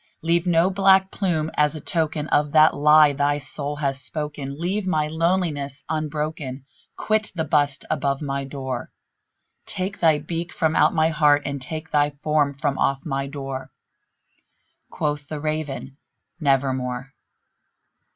Leave no black plume as a token of that lie thy soul hath spoken! Leave my loneliness unbroken! quit the bust above my door! Take thy beak from out my heart, and take thy form from off my door!" Quoth the Raven, "Nevermore."